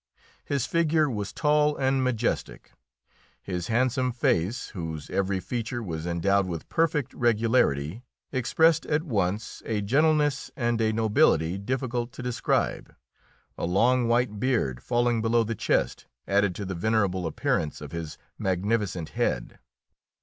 His figure was tall and majestic; his handsome face, whose every feature was endowed with perfect regularity, expressed at once a gentleness and a nobility difficult to describe; a long white beard, falling below the chest, added to the venerable appearance of his magnificent head.